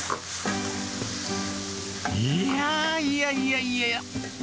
いやー、いやいやいや。